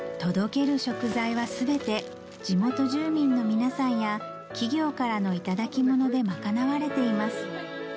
届ける食材は全て地元住民の皆さんや企業からの頂き物でまかなわれています